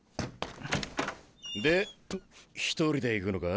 で一人で行くのか？